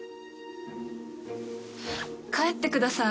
帰ってください。